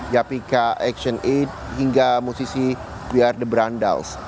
yapika action aid hingga musisi we are the brandals